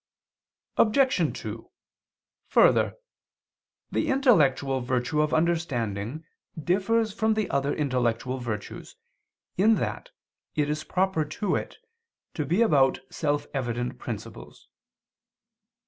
Obj. 2: Further, the intellectual virtue of understanding differs from the other intellectual virtues in that it is proper to it to be about self evident principles.